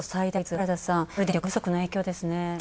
原田さん、電力不足の影響ですね。